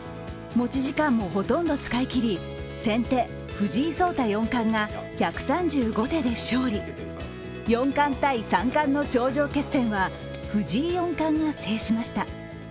持ち時間もほとんど使い切り先手・藤井聡太四冠が１３５手で勝利、四冠対三冠の頂上決戦は藤井四冠が制しました。